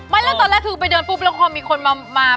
ไม่แล้วตอนแรกคือไปเดินปุ๊บแล้วพอมีคนมา